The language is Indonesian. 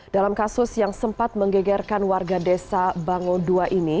dalam kasus yang sempat menggegerkan warga desa bangodua ini